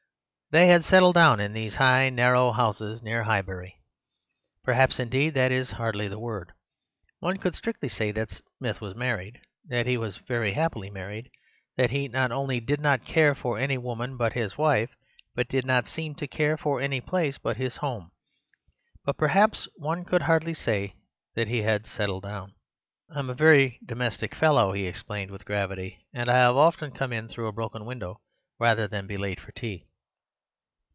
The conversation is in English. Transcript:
"They had settled down in these high narrow houses near Highbury. Perhaps, indeed, that is hardly the word. One could strictly say that Smith was married, that he was very happily married, that he not only did not care for any woman but his wife, but did not seem to care for any place but his home; but perhaps one could hardly say that he had settled down. 'I am a very domestic fellow,' he explained with gravity, 'and have often come in through a broken window rather than be late for tea.